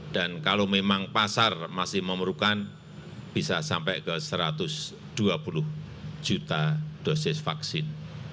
dan kalau memang pasar masih memerlukan bisa sampai ke satu ratus dua puluh juta dosis vaksin